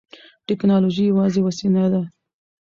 ټیکنالوژي یوازې وسیله ده.